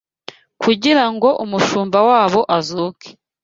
kugira ngo umushumba wabo azuke